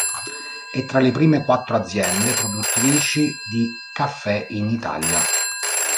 È tra le prime quattro aziende produttrici di caffè in Italia.